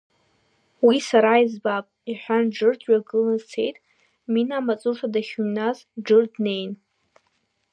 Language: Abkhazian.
Уи сара избап, — иҳәан Џыр дҩагыланы дцеит, Мина амаҵурҭа дахьыҩназ, Џыр днеин…